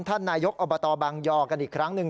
นายกอบตบางยอกันอีกครั้งหนึ่ง